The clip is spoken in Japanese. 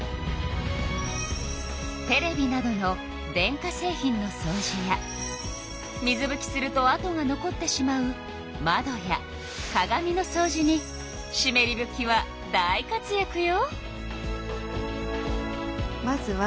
テレビなどの電化製品のそうじや水ぶきするとあとが残ってしまう窓や鏡のそうじにしめりぶきは大活やくよ。